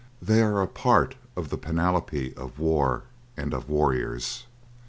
They are a part of the panoply of war and of warriors.